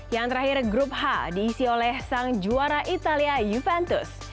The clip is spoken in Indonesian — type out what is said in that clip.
yang terakhir grup h diisi oleh sang juara italia juventus